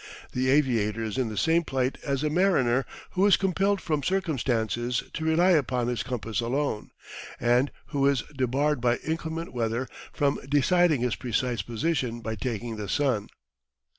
The aviator is in the same plight as a mariner who is compelled from circumstances to rely upon his compass alone, and who is debarred by inclement weather from deciding his precise position by taking the sun.